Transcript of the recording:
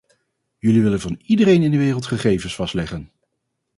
Jullie willen van iedereen in de wereld gegevens vastleggen!